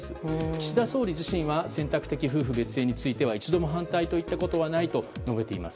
岸田総理自身は選択的夫婦別姓については一度も反対と言ったことはないと述べています。